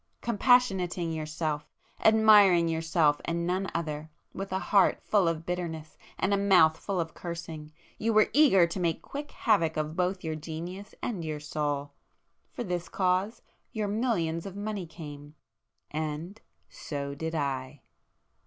Compassionating yourself, admiring yourself and none other, with a heart full of bitterness, and a mouth full of cursing, you were eager to make quick havoc of both your genius and your soul. For this cause, your millions of money came——and,—so did I!"